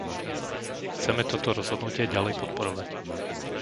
Chceme toto rozhodnutie ďalej podporovať.